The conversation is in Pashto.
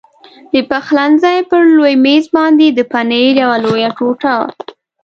د پخلنځي پر لوی مېز باندې د پنیر یوه لویه ټوټه.